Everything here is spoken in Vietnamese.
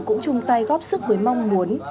cũng chung tay góp sức với mong muốn